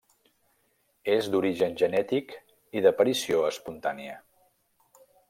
És d'origen genètic i d'aparició espontània.